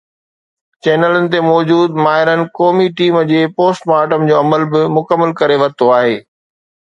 چينلن تي موجود ”ماهرن“ قومي ٽيم جي پوسٽ مارٽم جو عمل به مڪمل ڪري ورتو آهي.